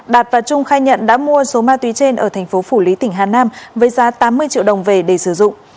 đạt và trung khai nhận đã mua số ma túy trên ở thành phố phủ lý tỉnh hà nam với giá tám mươi triệu đồng về để sử dụng